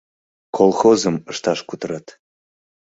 Колхозым ышташ кутырат.